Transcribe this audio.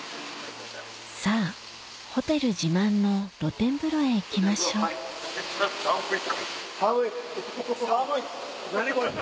さぁホテル自慢の露天風呂へ行きましょう寒いですか？